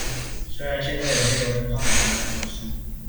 雖然現在有些流程上的討論就是